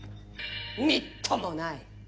みっともない。